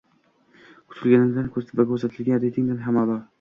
Kutganimdan va ko‘rsatilgan reytingidan ham a’lo.